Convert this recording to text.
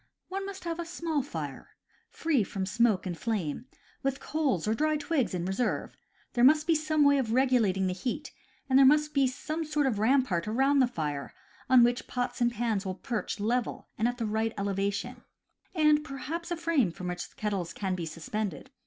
One must have a small fire, free from smoke and flame, with coals or dry twigs in reserve; there must be some way of regulating the heat; and there must be some sort of rampart around the fire on which pots and pans will perch level and at the right elevation, and perhaps a frame from which kettles can be suspended.